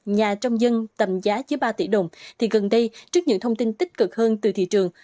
nhà trong dân tầm giá dưới ba tỷ đồng thì gần đây trước những thông tin tích cực hơn từ thị trường